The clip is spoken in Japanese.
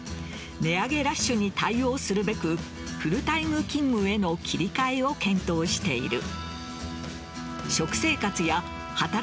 値上げラッシュに対応するべくフルタイム勤務への切り替えを検討している。